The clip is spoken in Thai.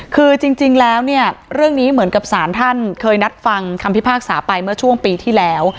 คือจริงแล้วเนี่ยเรื่องนี้เหมือนกับสารท่านเคยนัดฟังคำพิพากษาไปเมื่อช่วงปีที่แล้ว